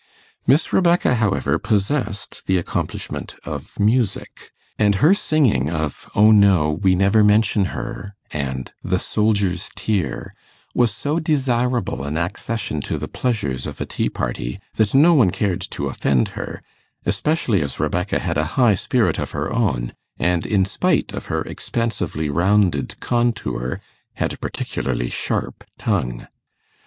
Miss Rebecca, however, possessed the accomplishment of music, and her singing of 'Oh no, we never mention her', and 'The Soldier's Tear', was so desirable an accession to the pleasures of a tea party that no one cared to offend her, especially as Rebecca had a high spirit of her own, and in spite of her expansively rounded contour, had a particularly sharp tongue.